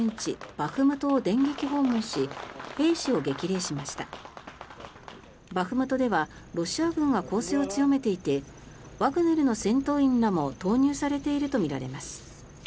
バフムトではロシア軍が攻勢を強めていてワグネルの戦闘員らも投入されているとみられます。